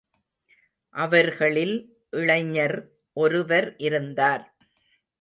அவர்களில் இளைஞர் ஒருவர் இருந்தார்.